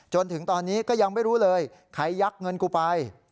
จนถึงตอนนี้ก็ยังไม่รู้เลยใครยักเงินกูไป